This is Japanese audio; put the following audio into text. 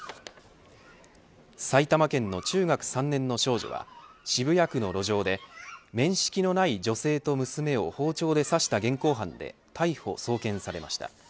埼玉県の中学３年の少女は渋谷区の路上で面識のない女性と娘を包丁で刺した現行犯で逮捕、送検されました。